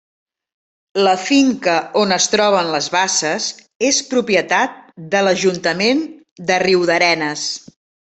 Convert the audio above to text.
La finca on es troben les basses és propietat de l'Ajuntament de Riudarenes.